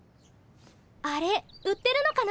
あれ売ってるのかな？